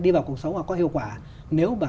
đi vào cuộc sống và có hiệu quả nếu mà